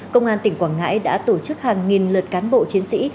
công an tỉnh quảng ngãi đã tổ chức hàng nghìn lượt cán bộ chiến sĩ